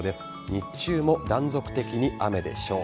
日中も断続的に雨でしょう。